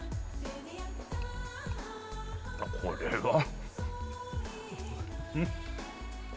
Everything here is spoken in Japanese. あっこれは。